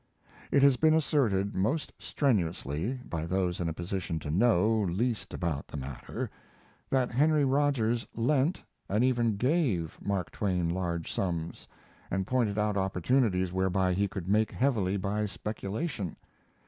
It has been asserted most strenuously, by those in a position to know least about the matter, that Henry Rogers lent, and even gave, Mark Twain large sums, and pointed out opportunities whereby he could make heavily by speculation.